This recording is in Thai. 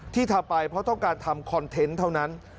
ที่ทำไปเพราะต้องการทำคอนเทนต์เท่านั้น